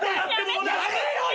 やめろよ！